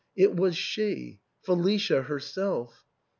It was she, Felicia herself!